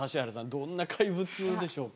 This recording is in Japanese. どんな怪物でしょうか。